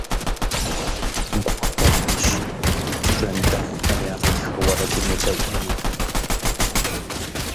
Гухэхъуэщ бжэндэхъухэм я гъатхэ уэрэдым уедэӀуэну!